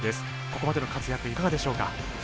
ここまでの活躍いかがでしょうか。